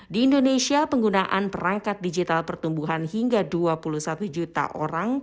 di indonesia penggunaan perangkat digital pertumbuhan hingga dua puluh satu juta orang